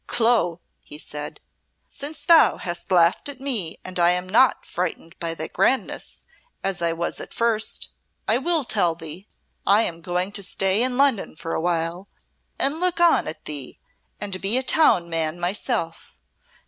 "Clo," he said, "since thou hast laughed at me and I am not frightened by thy grandness, as I was at first, I will tell thee. I am going to stay in Lunnon for awhile, and look on at thee, and be a town man myself.